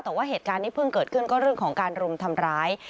แต่ว่าเหตุการณ์ที่เพิ่งเกิดขึ้นก็เรื่องของการรุมทำร้าย